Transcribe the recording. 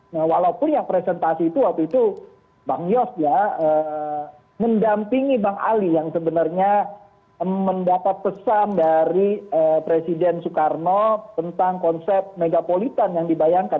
nah walaupun yang presentasi itu waktu itu bang yos ya mendampingi bang ali yang sebenarnya mendapat pesan dari presiden soekarno tentang konsep megapolitan yang dibayangkan